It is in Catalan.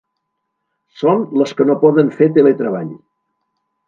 Són les que no poden fer teletreball.